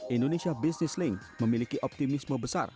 indonesia business link memiliki optimisme besar